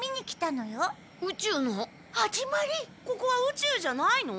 ここは宇宙じゃないの？